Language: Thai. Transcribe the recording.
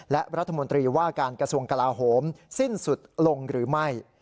และรัฐมนตรีว่าการกระทรวงกลาโหมสิ้นสุดลงหรือไม่